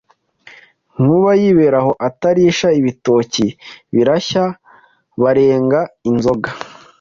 Nkuba yibera aho Atarisha ibitoki birashyabarenga Inzoga